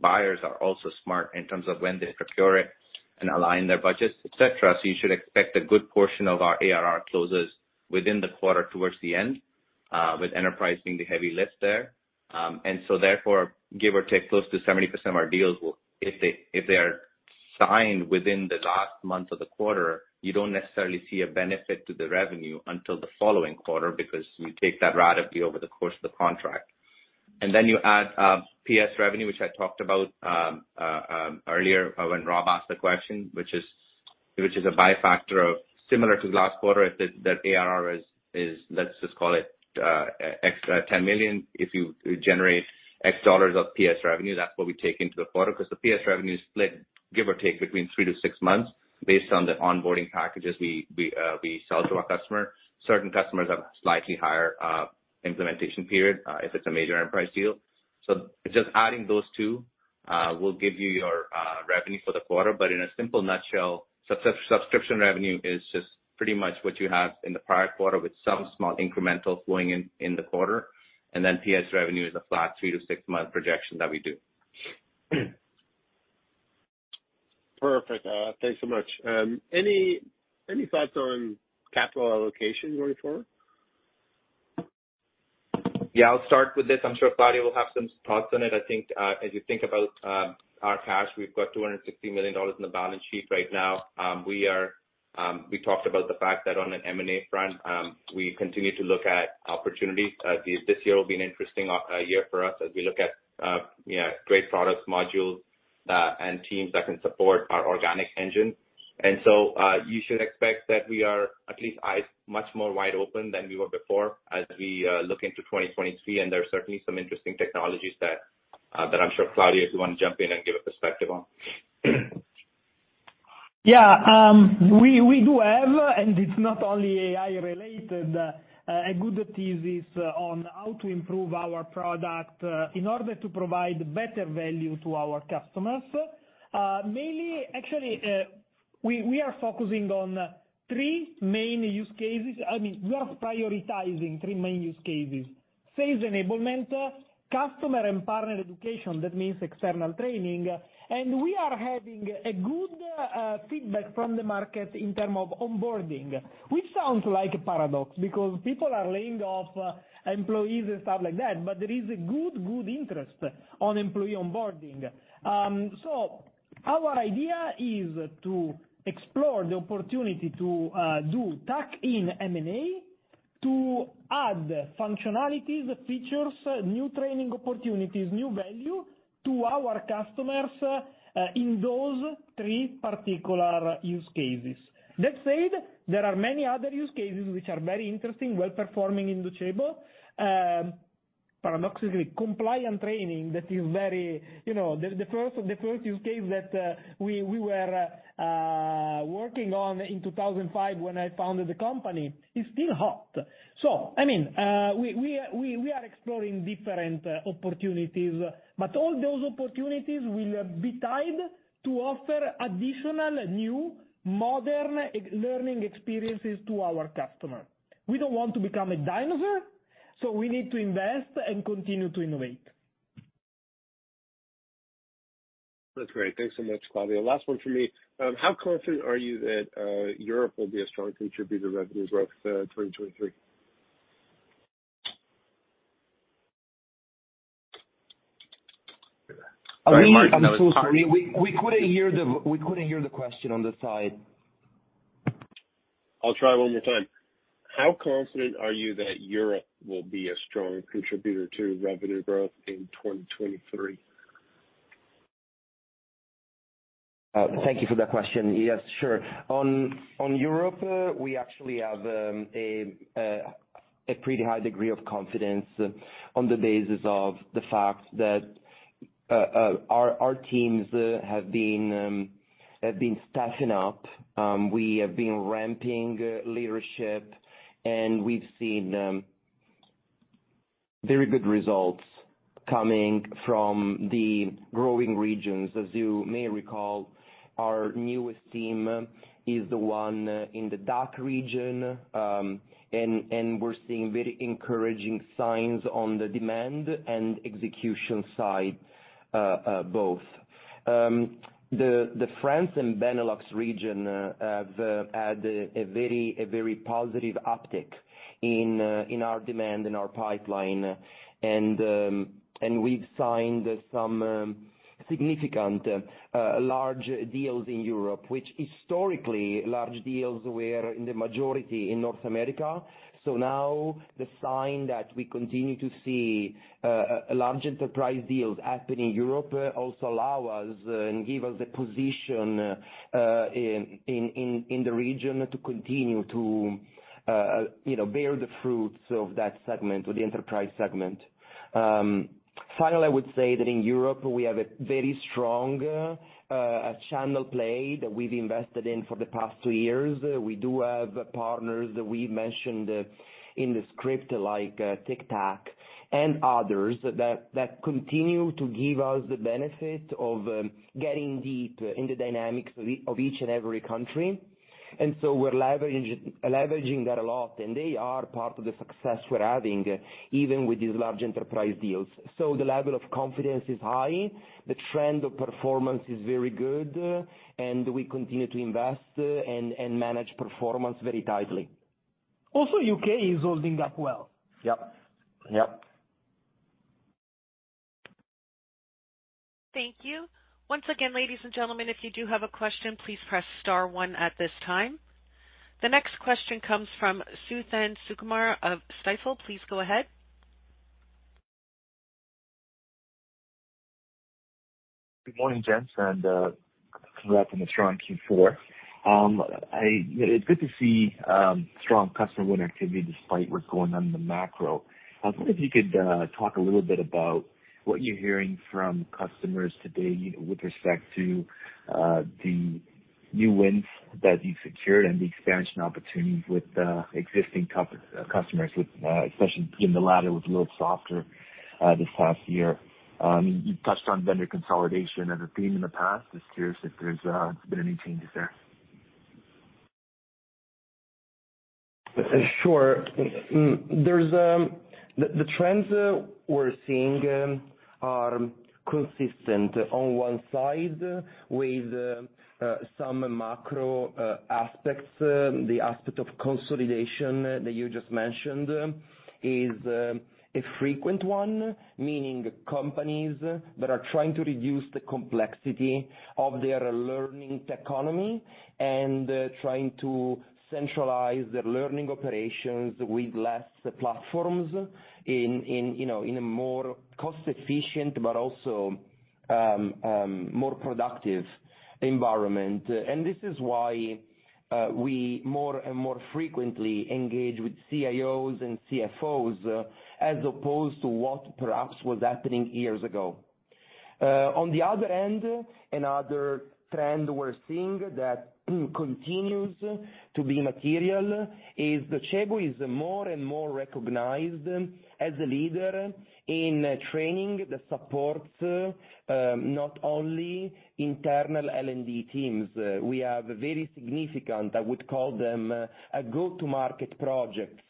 buyers are also smart in terms of when they procure it and align their budgets, et cetera. You should expect a good portion of our ARR closes within the quarter towards the end, with enterprise being the heavy lift there. Therefore, give or take close to 70% of our deals will if they are signed within the last month of the quarter, you don't necessarily see a benefit to the revenue until the following quarter because you take that ratable over the course of the contract. Then you add PS revenue, which I talked about earlier when Rob asked the question, which is a buy factor of similar to the last quarter. If the ARR is, let just call it X, $10 million, if you generate X dollars of PS revenue, that's what we take into the quarter. The PS revenue is split, give or take between 3-6 months based on the onboarding packages we sell to our customer. Certain customers have slightly higher implementation period if it's a major enterprise deal. Just adding those two will give you your revenue for the quarter. In a simple nutshell, subscription revenue is just pretty much what you have in the prior quarter with some small incremental flowing in the quarter. PS revenue is a flat 3-6 month projection that we do. Perfect. Thanks so much. Any thoughts on capital allocation going forward? Yeah, I'll start with this. I'm sure Claudio will have some thoughts on it. I think as you think about our cash, we've got $260 million in the balance sheet right now. We talked about the fact that on an M&A front, we continue to look at opportunities. This year will be an interesting year for us as we look at, you know, great products, modules, and teams that can support our organic engine. You should expect that we are at least eyes much more wide open than we were before as we look into 2023. There are certainly some interesting technologies that I'm sure Claudio, if you wanna jump in and give a perspective on. Yeah. We, we do have, and it's not only AI related, a good thesis on how to improve our product, in order to provide better value to our customers. Mainly actually, we are focusing on three main use cases. I mean, we are prioritizing three main use cases. Sales enablement, customer and partner education, that means external training. We are having a good feedback from the market in term of onboarding, which sounds like a paradox because people are laying off employees and stuff like that, but there is a good interest on employee onboarding. Our idea is to explore the opportunity to do tuck-in M&A To add functionalities, features, new training opportunities, new value to our customers, in those three particular use cases. That said, there are many other use cases which are very interesting, well-performing in Docebo. Paradoxically, compliant training that is very, you know, the first use case that we were working on in 2005 when I founded the company, is still hot. I mean, we are exploring different opportunities, but all those opportunities will be tied to offer additional new modern learning experiences to our customer. We don't want to become a dinosaur, so we need to invest and continue to innovate. That's great. Thanks so much, Claudio. Last one from me. How confident are you that Europe will be a strong contributor to revenue growth 2023? I'm sorry. We couldn't hear the question on this side. I'll try one more time. How confident are you that Europe will be a strong contributor to revenue growth in 2023? Thank you for that question. Yes, sure. On Europe, we actually have a pretty high degree of confidence on the basis of the fact that our teams have been staffing up. We have been ramping leadership, and we've seen very good results coming from the growing regions. As you may recall, our newest team is the one in the DACH region, and we're seeing very encouraging signs on the demand and execution side, both. The France and Benelux region have had a very positive uptick in our demand and our pipeline. We've signed some significant large deals in Europe, which historically large deals were in the majority in North America. Now the sign that we continue to see large enterprise deals happen in Europe also allow us and give us a position in the region to continue to, you know, bear the fruits of that segment or the enterprise segment. Finally, I would say that in Europe we have a very strong channel play that we've invested in for the past two years. We do have partners that we mentioned in the script, like TicTac and others, that continue to give us the benefit of getting deep in the dynamics of each and every country. We're leveraging that a lot, and they are part of the success we're having, even with these large enterprise deals. The level of confidence is high, the trend of performance is very good, and we continue to invest and manage performance very tightly. U.K. is holding up well. Yep. Yep. Thank you. Once again, ladies and gentlemen, if you do have a question, please press star one at this time. The next question comes from Suthan Sukumar of Stifel. Please go ahead. Good morning, gents, congrats on the strong Q4. It's good to see strong customer win activity despite what's going on in the macro. I was wondering if you could talk a little bit about what you're hearing from customers today with respect to the new wins that you've secured and the expansion opportunities with existing customers, especially given the latter was a little softer this past year. You touched on vendor consolidation as a theme in the past. Just curious if there's been any changes there. Sure. there's the trends we're seeing are consistent on one side with some macro aspects. The aspect of consolidation that you just mentioned is a frequent one, meaning companies that are trying to reduce the complexity of their learning tech economy and trying to centralize their learning operations with less platforms in, you know, a more cost efficient but also more productive environment. This is why we more and more frequently engage with CIOs and CFOs as opposed to what perhaps was happening years ago. On the other end, another trend we're seeing that continues to be material is Docebo is more and more recognized as a leader in training that supports not only internal L&D teams. We have very significant, I would call them a go-to-market projects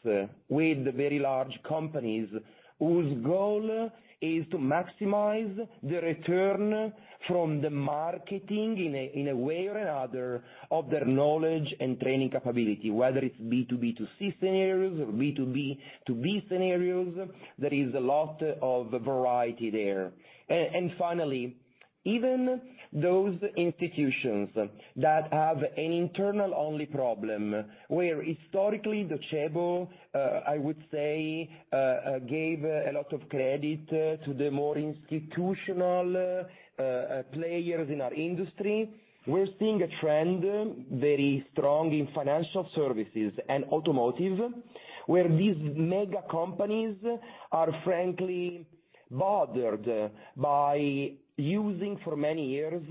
with very large companies whose goal is to maximize the return from the marketing in a way or another of their knowledge and training capability, whether it's B2B2C scenarios or B2B2B scenarios. There is a lot of variety there. Finally, even those institutions that have an internal only problem, where historically Docebo, I would say, gave a lot of credit to the more institutional players in our industry. We're seeing a trend very strong in financial services and automotive, where these mega companies are frankly bothered by using for many years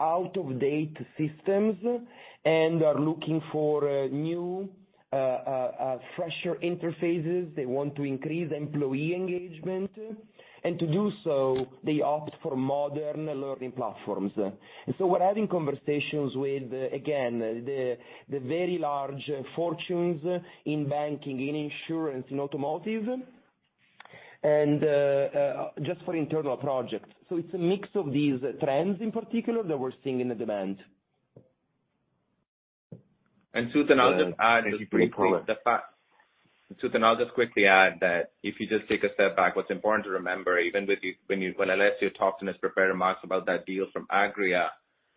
out-of-date systems and are looking for new, fresher interfaces. They want to increase employee engagement. To do so, they opt for modern learning platforms. We're having conversations with, again, the very large fortunes in banking, in insurance, in automotive, and just for internal projects. It's a mix of these trends in particular that we're seeing in the demand. Sukaran, I'll just quickly add that if you just take a step back, what's important to remember, even when Alessio talked in his prepared remarks about that deal from Agria,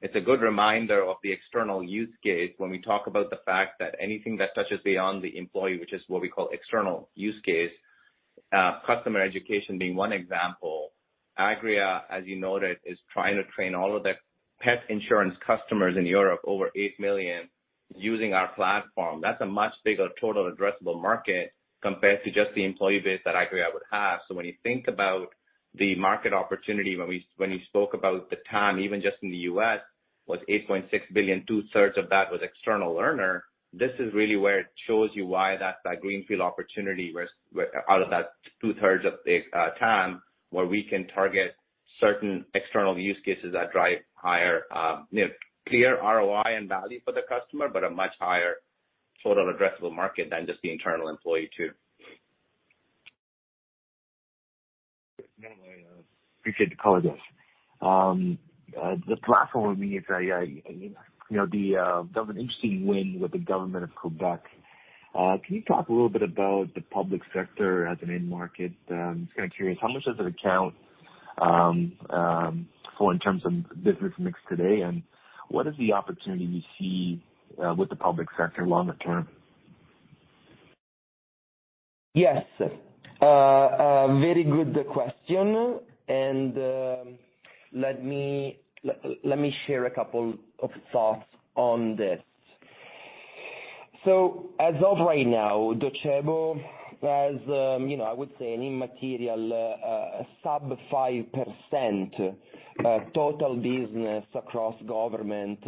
it's a good reminder of the external use case when we talk about the fact that anything that touches beyond the employee, which is what we call external use case, customer education being one example. Agria, as you noted, is trying to train all of their pet insurance customers in Europe over $8 million using our platform. That's a much bigger total addressable market compared to just the employee base that Agria would have. When you think about the market opportunity, when you spoke about the TAM, even just in the U.S., was $8.6 billion, two-thirds of that was external learner. This is really where it shows you why that greenfield opportunity where out of that two-thirds of the TAM, where we can target certain external use cases that drive higher, you know, clear ROI and value for the customer, but a much higher sort of addressable market than just the internal employee too. No, I appreciate the color there. The platform with me is very, I, you know, the... There was an interesting win with the government of Quebec. Can you talk a little bit about the public sector as an end market? Just kinda curious, how much does it account for in terms of business mix today? What is the opportunity you see with the public sector longer-term? Yes. A very good question. Let me share a couple of thoughts on this. As of right now, Docebo has, you know, I would say an immaterial, sub 5% total business across government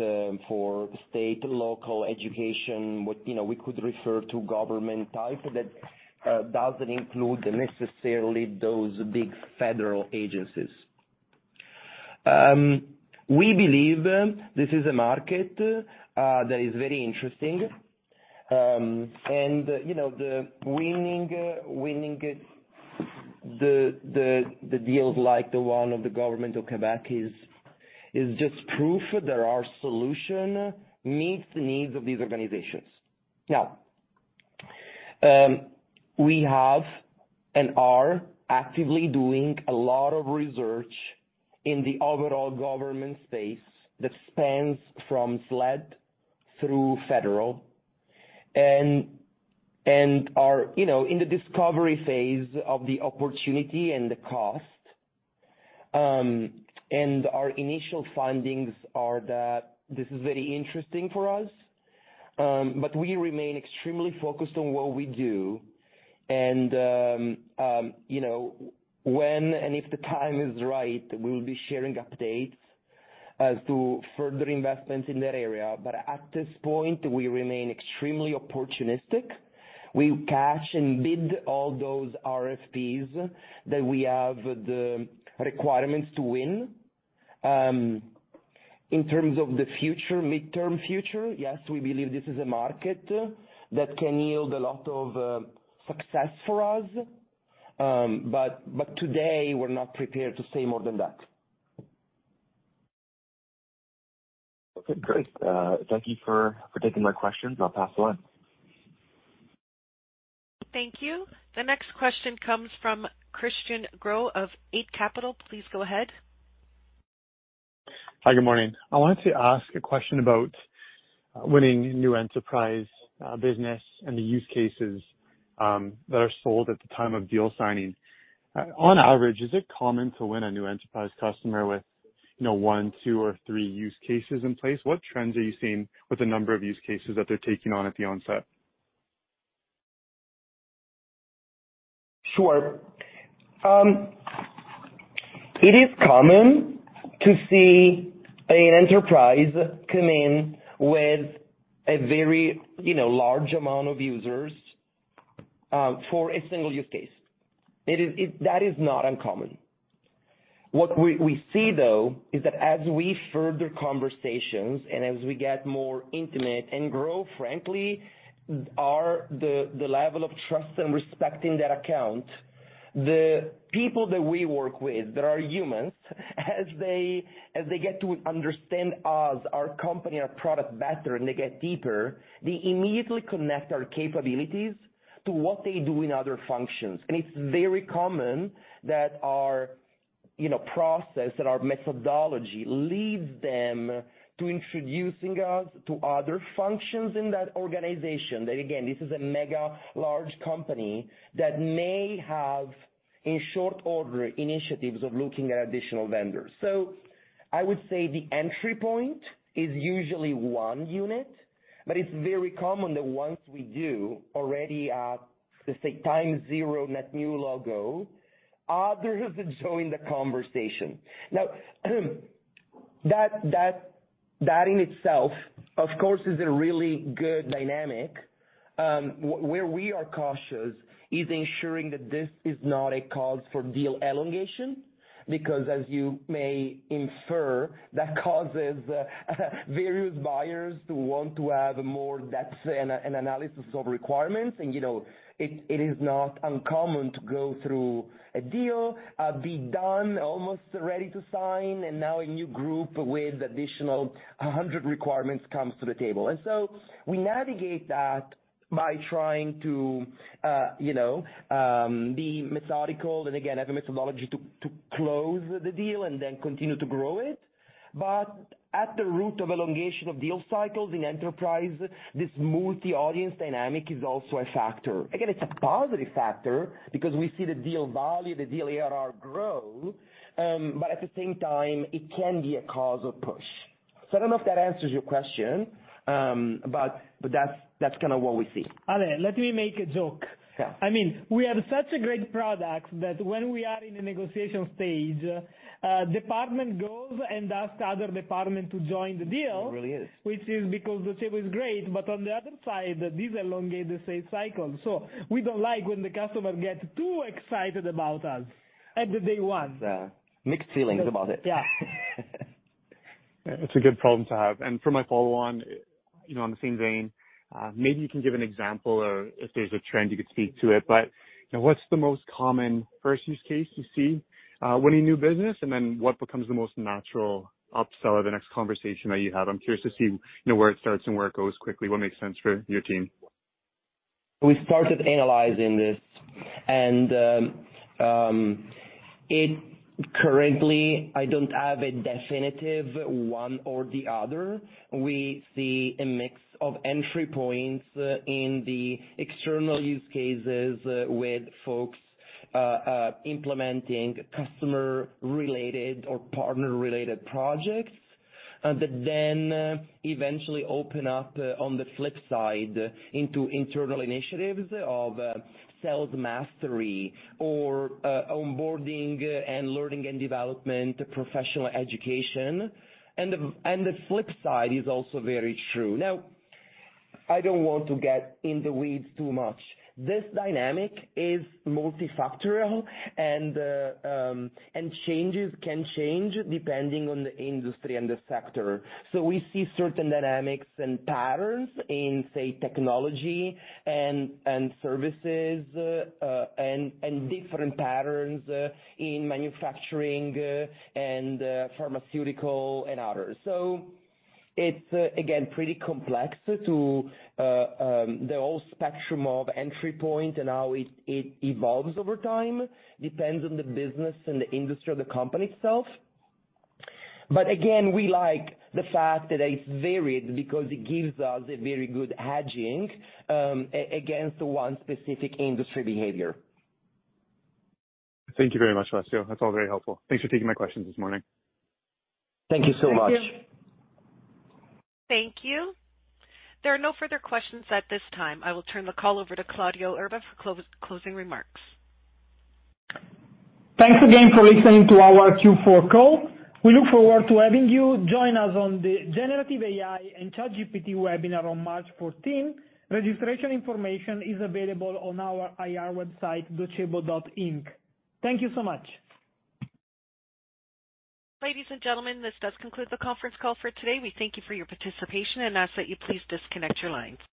for state, local education. You know, we could refer to government type that doesn't include necessarily those big federal agencies. We believe this is a market that is very interesting. You know, the winning it, the deals like the one of the government of Quebec is just proof that our solution meets the needs of these organizations. We have and are actively doing a lot of research in the overall government space that spans from SLED through federal and are, you know, in the discovery phase of the opportunity and the cost. Our initial findings are that this is very interesting for us. We remain extremely focused on what we do and, you know, when and if the time is right, we'll be sharing updates as to further investments in that area. At this point, we remain extremely opportunistic. We cash and bid all those RFPs that we have the requirements to win. In terms of the future, mid-term future, yes, we believe this is a market that can yield a lot of success for us. Today we're not prepared to say more than that. Okay, great. Thank you for taking my questions. I'll pass it on. Thank you. The next question comes from Christian Sgro of Eight Capital. Please go ahead. Hi, good morning. I wanted to ask a question about winning new enterprise business and the use cases that are sold at the time of deal signing. On average, is it common to win a new enterprise customer with, you know, one, two or three use cases in place? What trends are you seeing with the number of use cases that they're taking on at the onset? Sure. It is common to see an enterprise come in with a very, you know, large amount of users for a single use case. That is not uncommon. What we see, though, is that as we further conversations and as we get more intimate and grow, frankly, the level of trust and respect in that account, the people that we work with that are humans, as they get to understand us, our company, our product better, and they get deeper, they immediately connect our capabilities to what they do in other functions. It's very common that our, you know, process and our methodology leads them to introducing us to other functions in that organization. Again, this is a mega large company that may have, in short order, initiatives of looking at additional vendors. I would say the entry point is usually one unit, but it's very common that once we do already at, let's say, time zero net new logo, others join the conversation. That in itself, of course, is a really good dynamic. Where we are cautious is ensuring that this is not a cause for deal elongation, because as you may infer, that causes various buyers to want to have more depth and analysis of requirements. You know, it is not uncommon to go through a deal, be done, almost ready to sign, and now a new group with additional 100 requirements comes to the table. We navigate that by trying to, you know, be methodical and again, have a methodology to close the deal and then continue to grow it. At the root of elongation of deal cycles in enterprise, this multi-audience dynamic is also a factor. Again, it's a positive factor because we see the deal value, the deal ARR grow, but at the same time it can be a cause of push. I don't know if that answers your question, but that's kind of what we see. Alessio, let me make a joke. Yeah. I mean, we have such a great product that when we are in a negotiation stage, department goes and asks the other department to join the deal... It really is.... which is because the table is great, but on the other side, this elongate the sales cycle. We don't like when the customer gets too excited about us at the day one. Yeah. Mixed feelings about it. Yeah. It's a good problem to have. For my follow on, you know, on the same vein, maybe you can give an example or if there's a trend you could speak to it. You know, what's the most common first use case you see winning new business? Then what becomes the most natural upsell or the next conversation that you have? I'm curious to see, you know, where it starts and where it goes quickly, what makes sense for your team. We started analyzing this and, it currently, I don't have a definitive one or the other. We see a mix of entry points in the external use cases with folks, implementing customer-related or partner-related projects, that then eventually open up on the flip side into internal initiatives of sales mastery or, onboarding and learning and development, professional education. The flip side is also very true. I don't want to get in the weeds too much. This dynamic is multifactorial and changes can change depending on the industry and the sector. We see certain dynamics and patterns in, say, technology and services, and different patterns in manufacturing, and pharmaceutical and others. It's, again, pretty complex to the whole spectrum of entry point and how it evolves over time, depends on the business and the industry or the company itself. But again, we like the fact that it's varied because it gives us a very good hedging against one specific industry behavior. Thank you very much, Alessio. That's all very helpful. Thanks for taking my questions this morning. Thank you so much. Thank you. Thank you. There are no further questions at this time. I will turn the call over to Claudio Erba for closing remarks. Thanks again for listening to our Q4 call. We look forward to having you join us on the Generative AI and ChatGPT webinar on March 14th. Registration information is available on our IR website, docebo.inc. Thank you so much. Ladies and gentlemen, this does conclude the conference call for today. We thank you for your participation and ask that you please disconnect your lines.